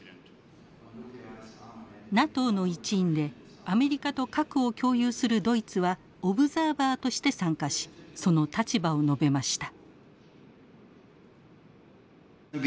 ＮＡＴＯの一員でアメリカと核を共有するドイツはオブザーバーとして参加しその立場を述べました。